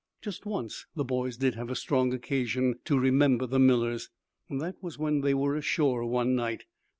Just once the boys did have strong occasion to remember the Millers. That was when they were ashore one night.